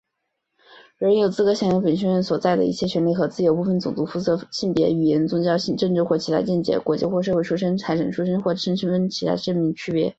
人人有资格享有本宣言所载的一切权利和自由,不分种族、肤色、性别、语言、宗教、政治或其他见解、国籍或社会出身、财产、出生或其他身分等任何区别。